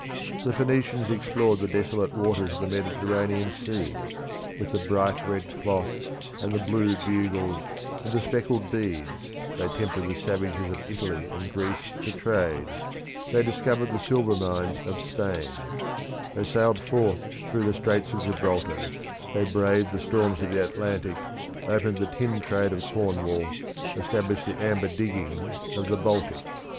The Phoenicians explored the desolate waters of the Mediterranean Sea; with the bright red cloth, and the blue bugles, and the speckled beads, they tempted the savages of Italy and Greece to trade; they discovered the silver mines of Spain; they sailed forth through the Straits of Gibraltar, they braved the storms of the Atlantic, opened the tin trade of Cornwall, established the amber diggings of the Baltic.